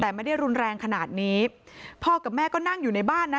แต่ไม่ได้รุนแรงขนาดนี้พ่อกับแม่ก็นั่งอยู่ในบ้านนะ